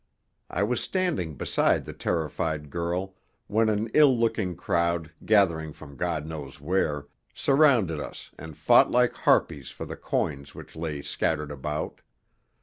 I was standing beside the terrified girl, while an ill looking crowd, gathering from God knows where, surrounded us and fought like harpies for the coins which lay scattered about.